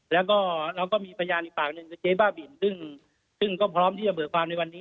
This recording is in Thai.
แล้วก็เราก็มีพยานอีกปากหนึ่งคือเจ๊บ้าบินซึ่งก็พร้อมที่จะเบิกความในวันนี้